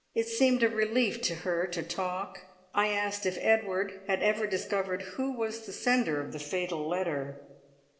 It seemed a relief to her to talk. I asked if "Edward" had ever discovered who was the sender of the fatal letter.